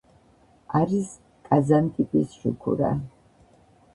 არის კაზანტიპის შუქურა.